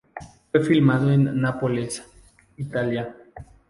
Fue filmado en Nápoles, Italia.